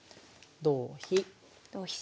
同飛。